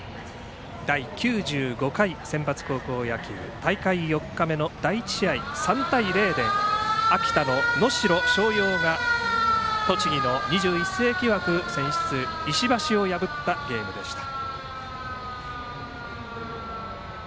第９５回センバツ高校野球大会４日目の第１試合は３対０で秋田の能代松陽が２１世紀枠選出、栃木の石橋を破ったゲームでした。